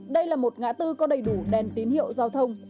đây là một ngã tư có đầy đủ đèn tín hiệu giao thông